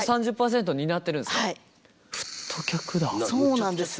そうなんですよ。